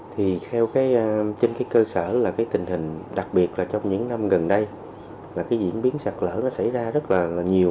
thì trên cái cơ sở là cái tình hình đặc biệt là trong những năm gần đây là cái diễn biến sạt lở nó xảy ra rất là nhiều